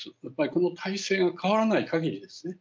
やっぱりこの体制が変わらないかぎり